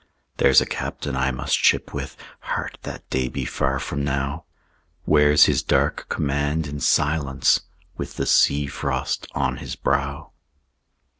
There's a Captain I must ship with, (Heart, that day be far from now!) Wears his dark command in silence With the sea frost on his brow.